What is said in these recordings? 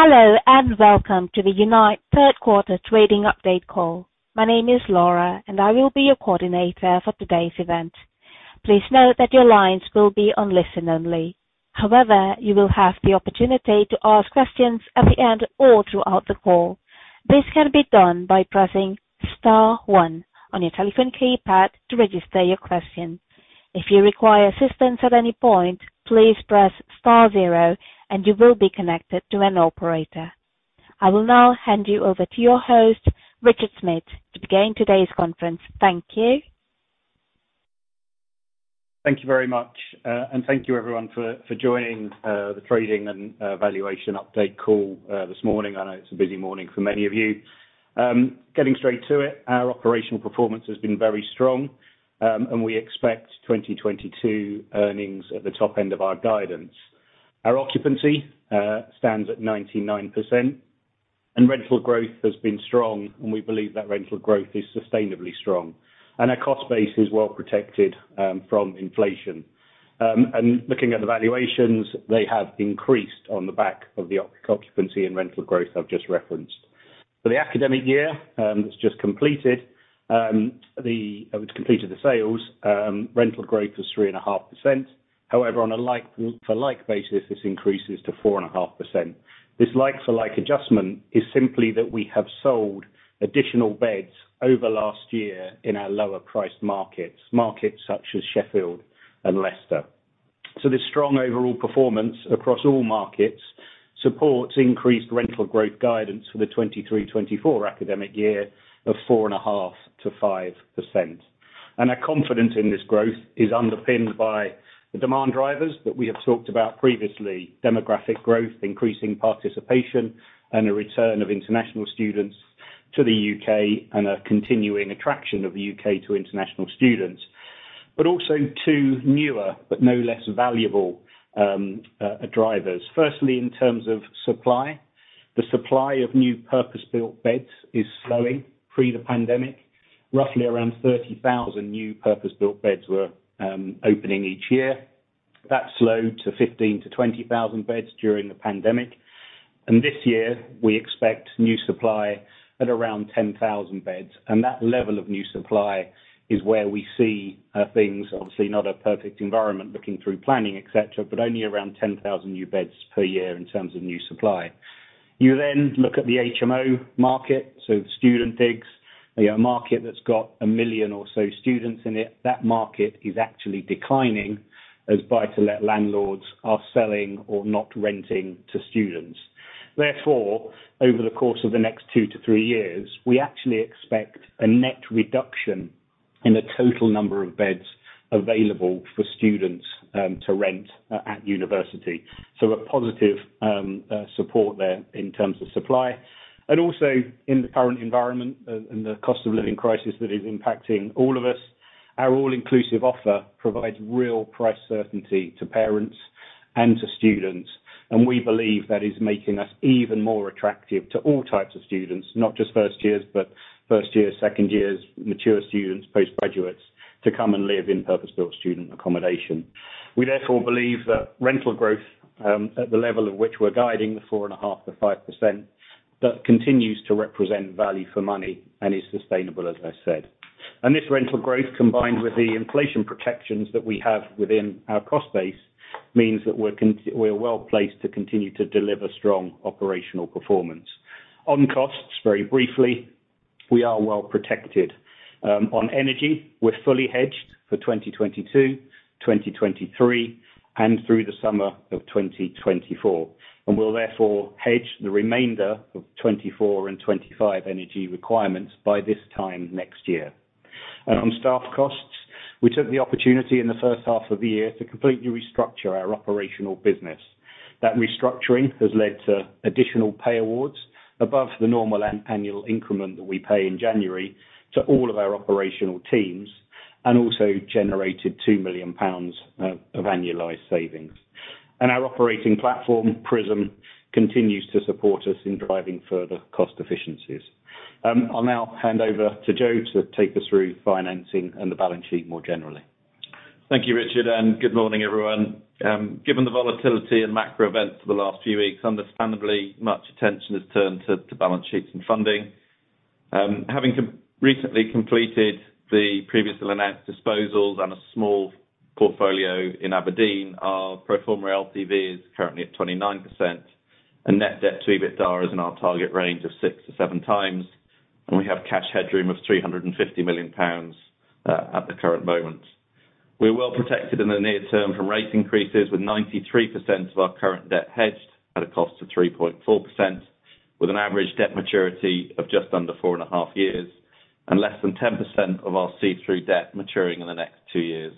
Hello, and welcome to the Unite third quarter trading update call. My name is Laura, and I will be your coordinator for today's event. Please note that your lines will be on listen-only. However, you will have the opportunity to ask questions at the end or throughout the call. This can be done by pressing star one on your telephone keypad to register your question. If you require assistance at any point, please press star zero and you will be connected to an operator. I will now hand you over to your host, Richard Smith, to begin today's conference. Thank you. Thank you very much. Thank you everyone for joining the trading and valuation update call this morning. I know it's a busy morning for many of you. Getting straight to it, our operational performance has been very strong, and we expect 2022 earnings at the top end of our guidance. Our occupancy stands at 99% and rental growth has been strong, and we believe that rental growth is sustainably strong. Our cost base is well protected from inflation. Looking at the valuations, they have increased on the back of the occupancy and rental growth I've just referenced. For the academic year that's just completed, rental growth was 3.5%. However, on a like-for-like basis, this increases to 4.5%. This like for like adjustment is simply that we have sold additional beds over last year in our lower priced markets such as Sheffield and Leicester. This strong overall performance across all markets supports increased rental growth guidance for the 2023/2024 academic year of 4.5%-5%. Our confidence in this growth is underpinned by the demand drivers that we have talked about previously, demographic growth, increasing participation and a return of international students to the U.K. and a continuing attraction of the U.K. to international students. Also to newer but no less valuable, drivers. Firstly, in terms of supply, the supply of new purpose-built beds is slowing. Pre the pandemic, roughly around 30,000 new purpose-built beds were opening each year. That slowed to 15,000-20,000 beds during the pandemic. This year we expect new supply at around 10,000 beds. That level of new supply is where we see things obviously not a perfect environment looking through planning, et cetera, but only around 10,000 new beds per year in terms of new supply. You then look at the HMO market, so the student digs. A market that's got a million or so students in it. That market is actually declining as buy-to-let landlords are selling or not renting to students. Therefore, over the course of the next two to three years, we actually expect a net reduction in the total number of beds available for students to rent at university. A positive support there in terms of supply and also in the current environment and the cost of living crisis that is impacting all of us. Our all inclusive offer provides real price certainty to parents and to students. We believe that is making us even more attractive to all types of students, not just first years, but second years, mature students, postgraduates, to come and live in purpose-built student accommodation. We therefore believe that rental growth at the level at which we're guiding, the 4.5%-5%, that continues to represent value for money and is sustainable, as I said. This rental growth, combined with the inflation protections that we have within our cost base, means that we're well placed to continue to deliver strong operational performance. On costs, very briefly, we are well protected. On energy, we're fully hedged for 2022, 2023 and through the summer of 2024. We'll therefore hedge the remainder of 2024 and 2025 energy requirements by this time next year. On staff costs, we took the opportunity in the first half of the year to completely restructure our operational business. That restructuring has led to additional pay awards above the normal annual increment that we pay in January to all of our operational teams, and also generated 2 million pounds of annualized savings. Our operating platform, PRISM, continues to support us in driving further cost efficiencies. I'll now hand over to Joe to take us through financing and the balance sheet more generally. Thank you, Richard, and good morning, everyone. Given the volatility and macro events of the last few weeks, understandably, much attention has turned to balance sheets and funding. Having recently completed the previously announced disposals on a small portfolio in Aberdeen, our pro forma LTV is currently at 29% and net debt to EBITDA is in our target range of 6x-7x, and we have cash headroom of 350 million pounds at the current moment. We're well protected in the near term from rate increases with 93% of our current debt hedged at a cost of 3.4%, with an average debt maturity of just under four and a half years and less than 10% of our see-through debt maturing in the next two years.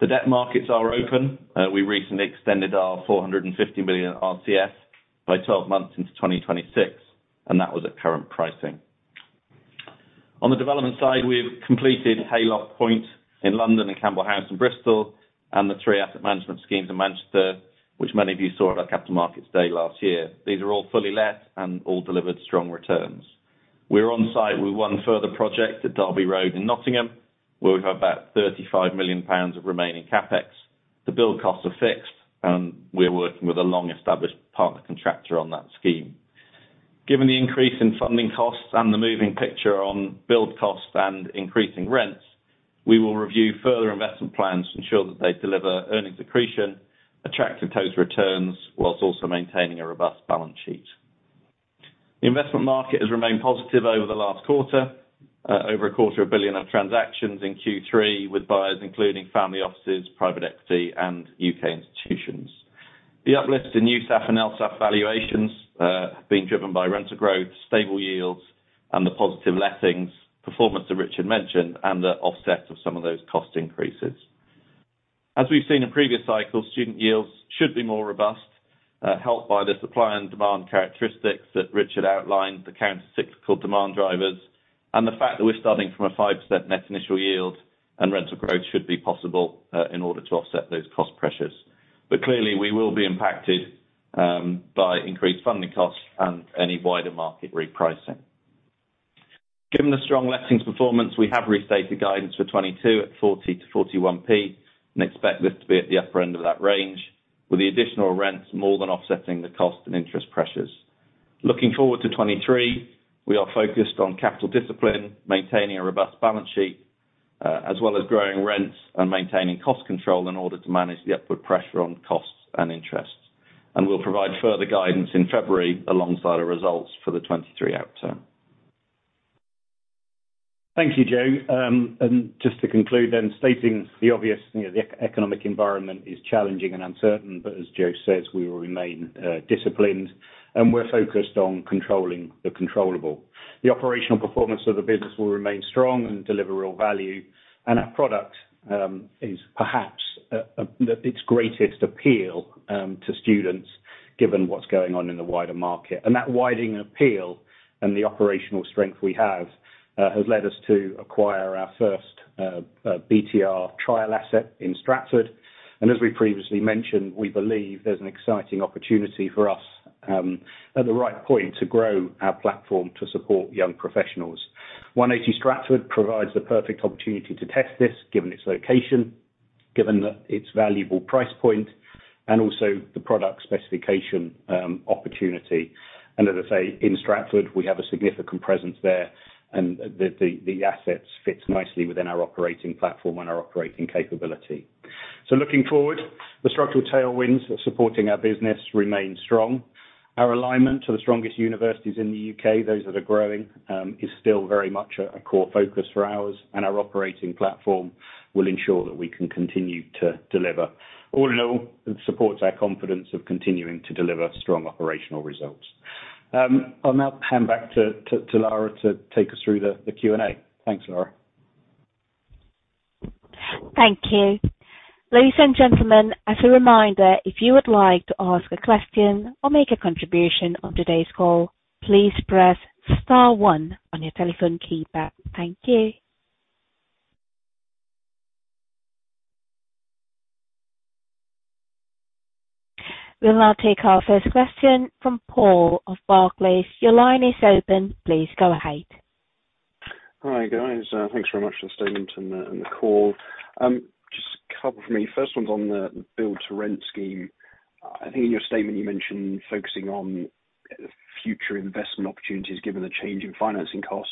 The debt markets are open. We recently extended our 450 million RCF by 12 months into 2026, and that was at current pricing. On the development side, we've completed Hayloft Point in London and Campbell House in Bristol and the three asset management schemes in Manchester, which many of you saw at our Capital Markets Day last year. These are all fully let and all delivered strong returns. We're on site with one further project at Derby Road in Nottingham, where we have about 35 million pounds of remaining CapEx. The build costs are fixed, and we're working with a long-established partner contractor on that scheme. Given the increase in funding costs and the moving picture on build costs and increasing rents, we will review further investment plans to ensure that they deliver earnings accretion, attractive total returns, whilst also maintaining a robust balance sheet. The investment market has remained positive over the last quarter, over a quarter billion GBP of transactions in Q3, with buyers including family offices, private equity, and U.K. institutions. The uplift in new USAF and LSAV valuations, have been driven by rental growth, stable yields, and the positive lettings performance that Richard mentioned, and the offset of some of those cost increases. As we've seen in previous cycles, student yields should be more robust, helped by the supply and demand characteristics that Richard outlined, the counter-cyclical demand drivers, and the fact that we're starting from a 5% net initial yield and rental growth should be possible, in order to offset those cost pressures. Clearly we will be impacted by increased funding costs and any wider market repricing. Given the strong lettings performance, we have restated guidance for 2022 at 40-41p, and expect this to be at the upper end of that range, with the additional rents more than offsetting the cost and interest pressures. Looking forward to 2023, we are focused on capital discipline, maintaining a robust balance sheet, as well as growing rents and maintaining cost control in order to manage the upward pressure on costs and interests. We'll provide further guidance in February alongside our results for the 2023 outturn. Thank you, Joe. Just to conclude then, stating the obvious, you know, the economic environment is challenging and uncertain, but as Joe says, we will remain disciplined, and we're focused on controlling the controllable. The operational performance of the business will remain strong and deliver real value. Our product is perhaps its greatest appeal to students given what's going on in the wider market. That widening appeal and the operational strength we have has led us to acquire our first BTR trial asset in Stratford. As we previously mentioned, we believe there's an exciting opportunity for us at the right point to grow our platform to support young professionals. 180 Stratford provides the perfect opportunity to test this, given its location, given its valuable price point, and also the product specification opportunity. As I say, in Stratford, we have a significant presence there, and the assets fits nicely within our operating platform and our operating capability. Looking forward, the structural tailwinds supporting our business remain strong. Our alignment to the strongest universities in the U.K., those that are growing, is still very much a core focus for ours. Our operating platform will ensure that we can continue to deliver. All in all, it supports our confidence of continuing to deliver strong operational results. I'll now hand back to Laura to take us through the Q&A. Thanks, Laura. Thank you. Ladies and gentlemen, as a reminder, if you would like to ask a question or make a contribution on today's call, please press star one on your telephone keypad. Thank you. We'll now take our first question from Paul of Barclays. Your line is open. Please go ahead. Hi, guys. Thanks very much for the statement and the call. Just couple from me. First one's on the build-to-rent scheme. I think in your statement you mentioned focusing on future investment opportunities given the change in financing costs.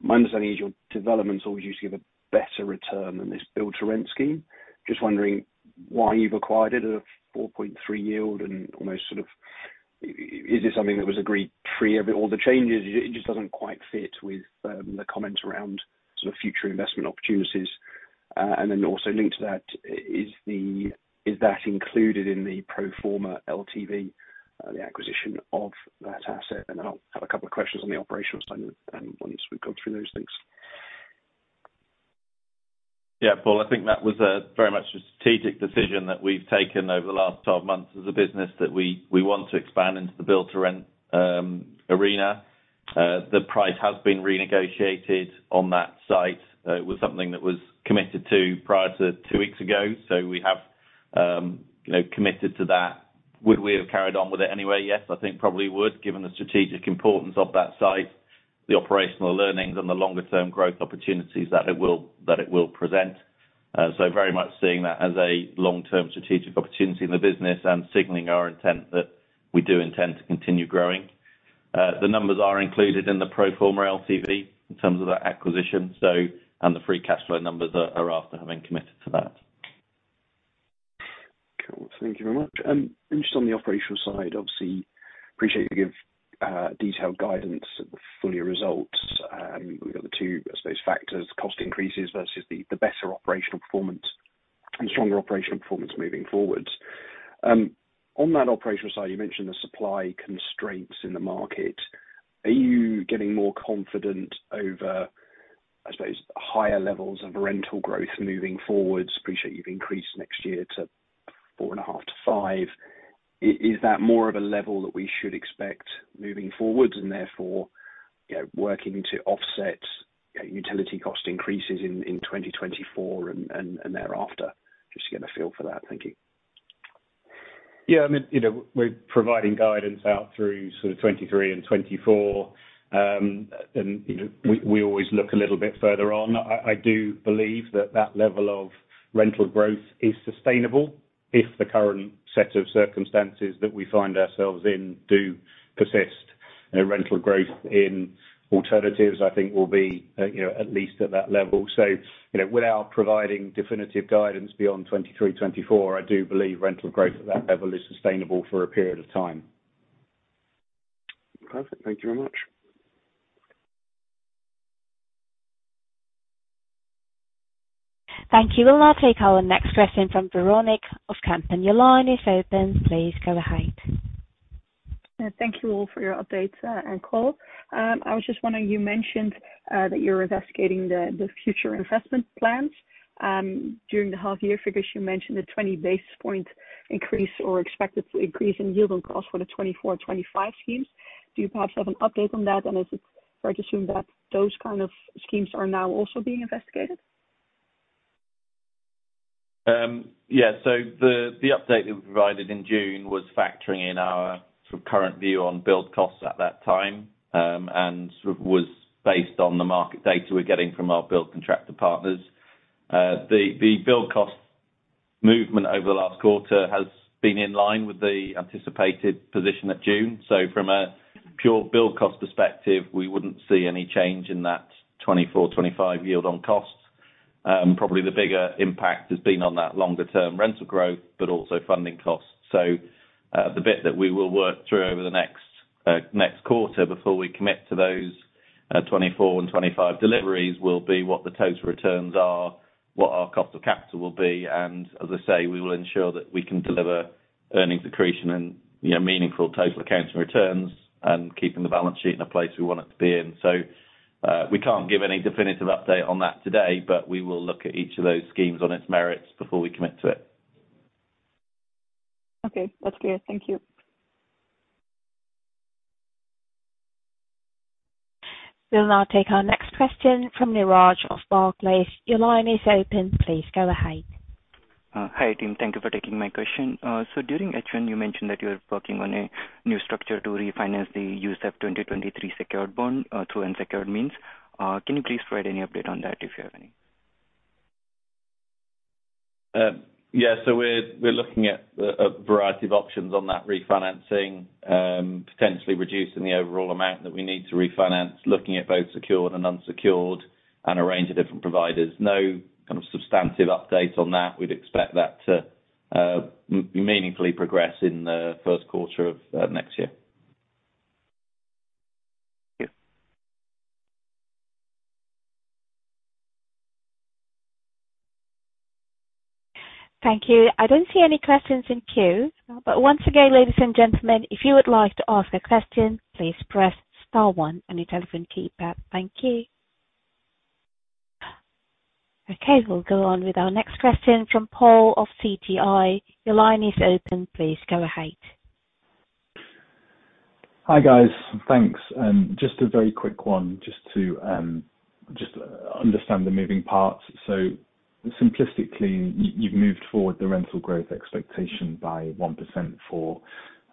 My understanding is your developments always usually give a better return than this build-to-rent scheme. Just wondering why you've acquired it at a 4.3 yield and almost sort of, is this something that was agreed pre all the changes? It just doesn't quite fit with the comments around sort of future investment opportunities. And then also linked to that, is that included in the pro forma LTV, the acquisition of that asset? Then I'll have a couple of questions on the operational side, once we've gone through those things. Yeah, Paul, I think that was a very much a strategic decision that we've taken over the last 12 months as a business that we want to expand into the build-to-rent arena. The price has been renegotiated on that site. It was something that was committed to prior to two weeks ago. We have, you know, committed to that. Would we have carried on with it anyway? Yes, I think probably would, given the strategic importance of that site, the operational learnings and the longer term growth opportunities that it will present. Very much seeing that as a long-term strategic opportunity in the business and signaling our intent that we do intend to continue growing. The numbers are included in the pro forma LTV in terms of the acquisition, so and the free cash flow numbers are after having committed to that. Cool. Thank you very much. Just on the operational side, obviously appreciate you give detailed guidance at the full year results. We've got the two, I suppose, factors, cost increases versus the better operational performance and stronger operational performance moving forward. On that operational side, you mentioned the supply constraints in the market. Are you getting more confident over, I suppose, higher levels of rental growth moving forward? Appreciate you've increased next year to 4.5%-5%. Is that more of a level that we should expect moving forward and therefore, you know, working to offset utility cost increases in 2024 and thereafter? Just to get a feel for that. Thank you. Yeah, I mean, you know, we're providing guidance out through sort of 2023 and 2024. You know, we always look a little bit further on. I do believe that level of rental growth is sustainable if the current set of circumstances that we find ourselves in do persist. You know, rental growth in alternatives, I think will be, you know, at least at that level. You know, without providing definitive guidance beyond 2023, 2024, I do believe rental growth at that level is sustainable for a period of time. Perfect. Thank you very much. Thank you. We'll now take our next question from Véronique of Kempen. Your line is open, please go ahead. Thank you all for your updates and call. I was just wondering, you mentioned that you're investigating the future investment plans. During the half year figures you mentioned a 20 basis point increase or expected increase in yield on costs for the 2024, 2025 schemes. Do you perhaps have an update on that, and is it fair to assume that those kind of schemes are now also being investigated? The update that we provided in June was factoring in our sort of current view on build costs at that time, and sort of was based on the market data we're getting from our build contractor partners. The build cost movement over the last quarter has been in line with the anticipated position at June. From a pure build cost perspective, we wouldn't see any change in that 2024-2025 yield on costs. Probably the bigger impact has been on that longer term rental growth, but also funding costs. The bit that we will work through over the next quarter before we commit to those 2024 and 2025 deliveries will be what the total returns are, what our cost of capital will be, and as I say, we will ensure that we can deliver earnings accretion and, you know, meaningful total returns, and keeping the balance sheet in a place we want it to be in. We can't give any definitive update on that today, but we will look at each of those schemes on its merits before we commit to it. Okay, that's clear. Thank you. We'll now take our next question from Neeraj of Barclays. Your line is open. Please go ahead. Hi team. Thank you for taking my question. During H1 you mentioned that you are working on a new structure to refinance the issue of 2023 secured bond through unsecured means. Can you please provide any update on that, if you have any? Yeah. We're looking at a variety of options on that refinancing. Potentially reducing the overall amount that we need to refinance, looking at both secured and unsecured, and a range of different providers. No kind of substantive update on that. We'd expect that to meaningfully progress in the first quarter of next year. Thank you. Thank you. I don't see any questions in queue. Once again, ladies and gentlemen, if you would like to ask a question, please press star one on your telephone keypad. Thank you. Okay, we'll go on with our next question from Paul of Citi. Your line is open. Please go ahead. Hi, guys. Thanks. Just a very quick one to understand the moving parts. Simplistically, you've moved forward the rental growth expectation by 1% for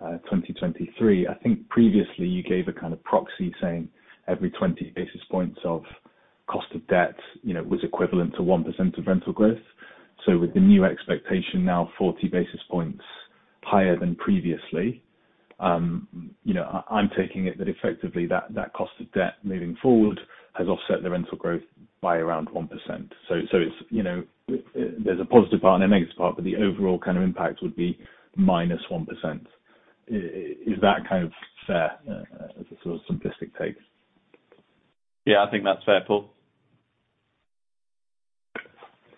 2023. I think previously you gave a kind of proxy saying every 20 basis points of cost of debt, you know, was equivalent to 1% of rental growth. With the new expectation now 40 basis points higher than previously, you know, I'm taking it that effectively that cost of debt moving forward has offset the rental growth by around 1%. It's, you know, there's a positive part and a negative part, but the overall kind of impact would be minus 1%. Is that kind of fair as a sort of simplistic take? Yeah, I think that's fair, Paul.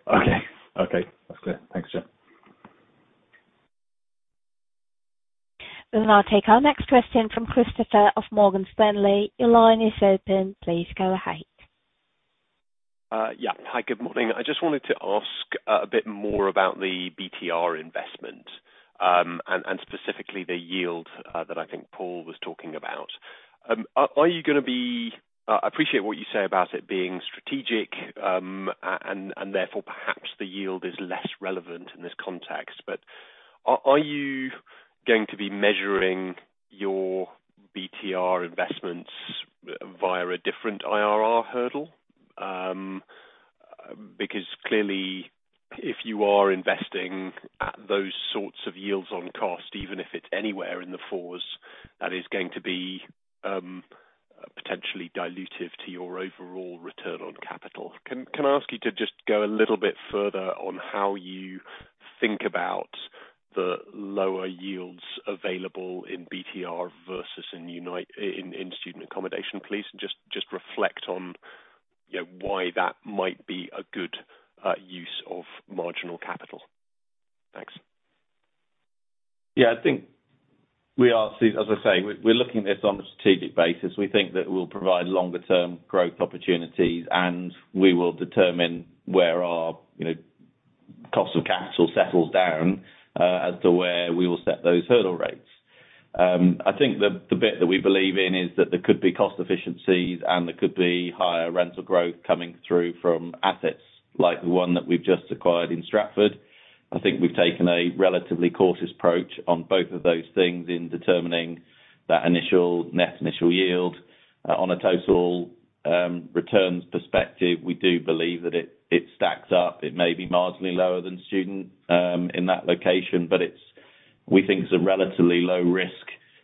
Okay. Okay, that's clear. Thanks, Joe. We'll now take our next question from Christopher of Morgan Stanley. Your line is open. Please go ahead. Yeah. Hi, good morning. I just wanted to ask a bit more about the BTR investment, and specifically the yield that I think Paul was talking about. I appreciate what you say about it being strategic, and therefore perhaps the yield is less relevant in this context. Are you going to be measuring your BTR investments via a different IRR hurdle? Because clearly if you are investing at those sorts of yields on cost, even if it's anywhere in the fours, that is going to be potentially dilutive to your overall return on capital. Can I ask you to just go a little bit further on how you think about the lower yields available in BTR versus in Unite in student accommodation, please? Just reflect on, you know, why that might be a good use of marginal capital. Thanks. As I say, we're looking at this on a strategic basis. We think that we'll provide longer term growth opportunities, and we will determine where our, you know, cost of capital settles down, as to where we will set those hurdle rates. I think the bit that we believe in is that there could be cost efficiencies, and there could be higher rental growth coming through from assets like the one that we've just acquired in Stratford. I think we've taken a relatively cautious approach on both of those things in determining that initial, net initial yield. On a total returns perspective, we do believe that it stacks up. It may be marginally lower than student in that location, but it's, we think it's a relatively low risk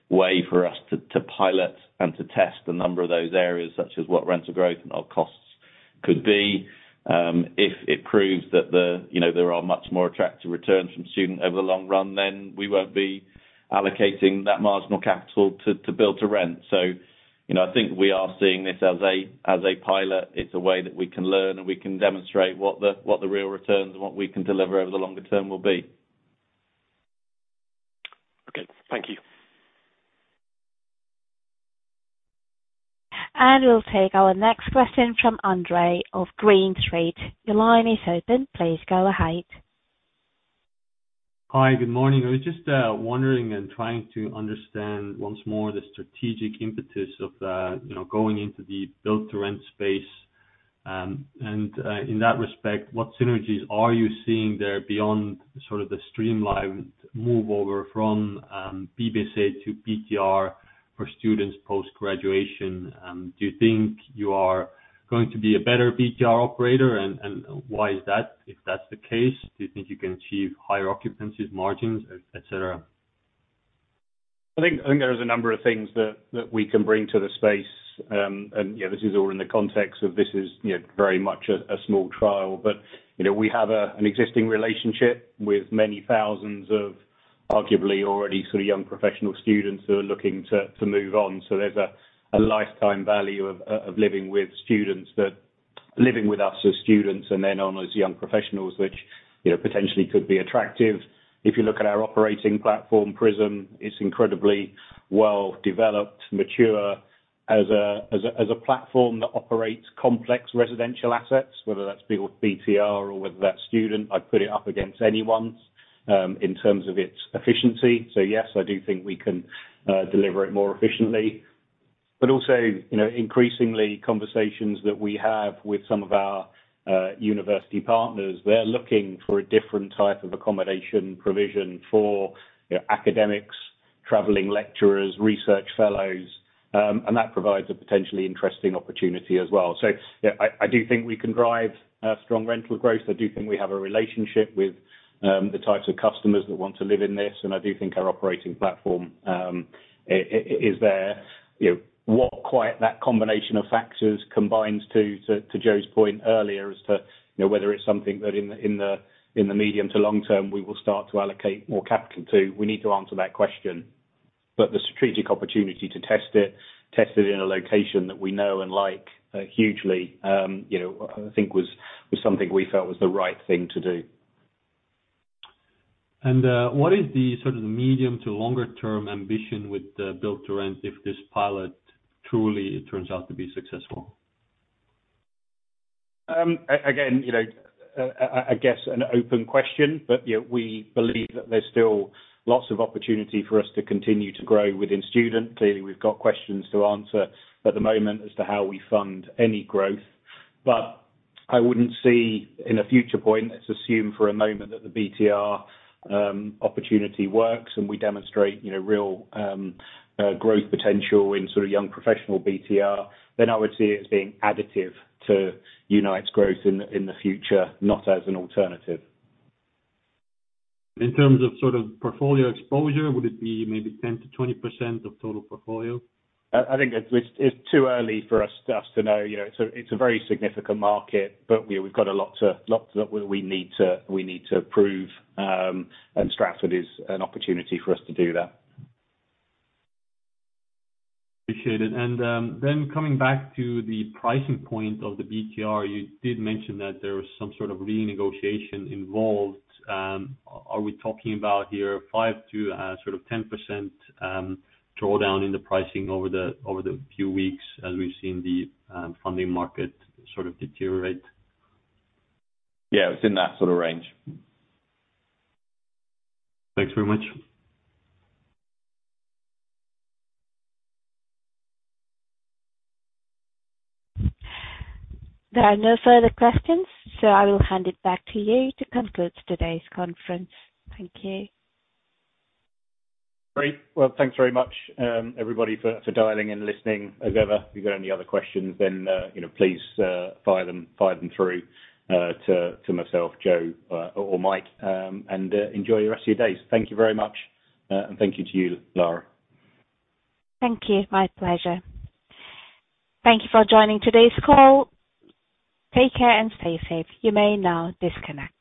way for us to pilot and to test a number of those areas, such as what rental growth and our costs could be. If it proves that, you know, there are much more attractive returns from student over the long run, then we won't be allocating that marginal capital to build-to-rent. You know, I think we are seeing this as a pilot. It's a way that we can learn, and we can demonstrate what the real returns and what we can deliver over the longer term will be. Okay, thank you. We'll take our next question from Andre of Green Street. Your line is open. Please go ahead. Hi. Good morning. I was just wondering and trying to understand once more the strategic impetus of you know going into the build-to-rent space. In that respect, what synergies are you seeing there beyond sort of the streamlined move over from PBSA to BTR for students post-graduation? Do you think you are going to be a better BTR operator, and why is that, if that's the case? Do you think you can achieve higher occupancies margins, et cetera? I think there is a number of things that we can bring to the space, and you know, this is all in the context of, you know, very much a small trial. You know, we have an existing relationship with many thousands of arguably already sort of young professional students who are looking to move on. There's a lifetime value of living with us as students and then on as young professionals, which you know, potentially could be attractive. If you look at our operating platform, PRISM, it's incredibly well developed, mature as a platform that operates complex residential assets, whether that's build BTR or whether that's student. I'd put it up against anyone's in terms of its efficiency. Yes, I do think we can deliver it more efficiently. Also, you know, increasingly conversations that we have with some of our university partners, they're looking for a different type of accommodation provision for, you know, academics, traveling lecturers, research fellows, and that provides a potentially interesting opportunity as well. Yeah, I do think we can drive strong rental growth. I do think we have a relationship with the types of customers that want to live in this, and I do think our operating platform is there. You know, what quite that combination of factors combines to Joe's point earlier as to, you know, whether it's something that in the medium to long term, we will start to allocate more capital to, we need to answer that question. The strategic opportunity to test it in a location that we know and like hugely, you know, I think was something we felt was the right thing to do. What is the sort of medium to longer term ambition with the build-to-rent if this pilot truly turns out to be successful? Again, you know, I guess an open question, but, you know, we believe that there's still lots of opportunity for us to continue to grow within student. Clearly, we've got questions to answer at the moment as to how we fund any growth. I wouldn't see in a future point, let's assume for a moment that the BTR opportunity works and we demonstrate, you know, real growth potential in sort of young professional BTR, then I would see it as being additive to Unite's growth in the future, not as an alternative. In terms of sort of portfolio exposure, would it be maybe 10%-20% of total portfolio? I think it's too early for us to know. You know, it's a very significant market, but we need to prove, and Stratford is an opportunity for us to do that. Appreciate it. Then coming back to the pricing point of the BTR, you did mention that there was some sort of renegotiation involved. Are we talking about here five to sort of 10% drawdown in the pricing over the few weeks as we've seen the funding market sort of deteriorate? Yeah. It's in that sort of range. Thanks very much. There are no further questions, so I will hand it back to you to conclude today's conference. Thank you. Great. Well, thanks very much, everybody for dialing and listening. As ever, if you've got any other questions then, you know, please, fire them through, to myself, Joe, or Mike. Enjoy your rest of your days. Thank you very much, and thank you to you, Laura. Thank you. My pleasure. Thank you for joining today's call. Take care and stay safe. You may now disconnect.